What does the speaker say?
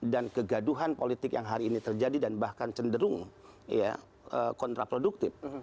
kegaduhan politik yang hari ini terjadi dan bahkan cenderung kontraproduktif